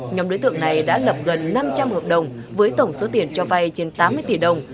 nhóm đối tượng này đã lập gần năm trăm linh hợp đồng với tổng số tiền cho vay trên tám mươi tỷ đồng